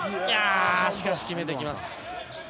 しかし、決めてきます。